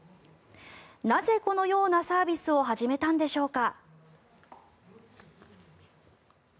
なぜ、このようなサービスを始めたんでしょうか。